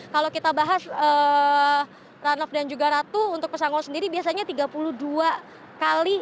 kalau kita bahas ranof dan juga ratu untuk pesangon sendiri biasanya tiga puluh dua kali